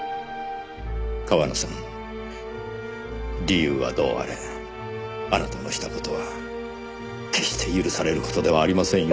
川野さん理由はどうあれあなたのした事は決して許される事ではありませんよ。